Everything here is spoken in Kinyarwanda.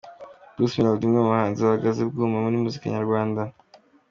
Bruce Melody umwe mu bahanzi bahagaze bwuma muri muzika nyarwanda.